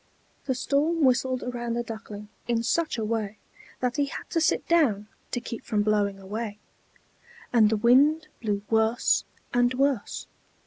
The storm whistled around the Duckling in such a way that he had to sit down to keep from blowing away; and the wind blew worse and worse.